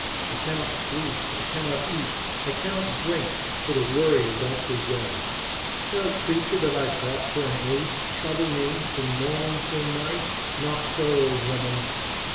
I cannot sleep, I cannot eat, I cannot drink, for the worry of that gazelle. Shall a creature that I bought for an eighth trouble me from morning till night? Not so, old woman!